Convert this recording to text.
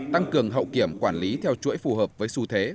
tăng cường hậu kiểm quản lý theo chuỗi phù hợp với xu thế